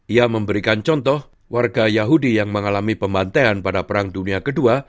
ia memberikan contoh warga yahudi yang mengalami pembantaian pada perang dunia ii